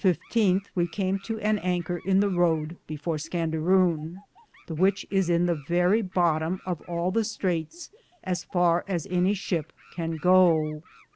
The 15th we came to an anker in the Roode before Scandaroune, the which is in the verrie bottom of all the straites as farr as any shipp can go.